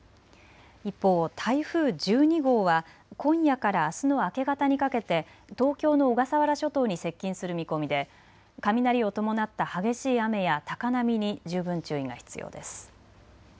一方、台風１２号は今夜からあすの明け方にかけて東京の小笠原諸島に接近する見込みで雷を伴った激しい雨や高波に十分注意が必要です。